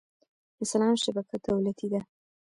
د سلام شبکه دولتي ده؟